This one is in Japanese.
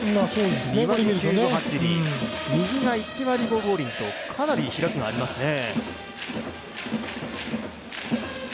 ２割９分８厘、右が１割５分５厘とかなり開きがありますね。